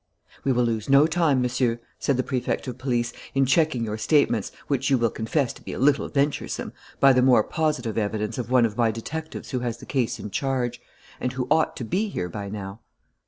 "We will lose no time, Monsieur," said the Prefect of Police, "in checking your statements, which you will confess to be a little venturesome, by the more positive evidence of one of my detectives who has the case in charge ... and who ought to be here by now."